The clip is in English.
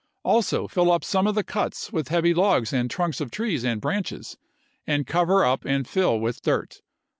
Also fill up some of the cuts with heavy S!" logs and trunks of trees and branches, and cover pari84." up and fill with dirt."